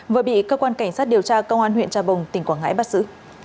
vừa bị cơ quan cảnh sát điều tra công an huyện trà bồng tỉnh quảng ngãi bắt giữ